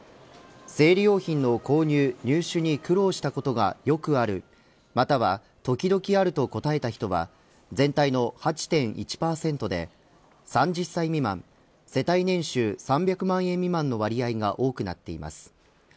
生理用品の購入、入手に苦労したことがよくあるまたは時々あると答えた人は全体の８．１％で３０歳未満世帯年収３００万円未満の割合が多くなっています。